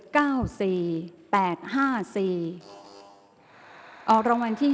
ข่าวแถวรับทีวีรายงาน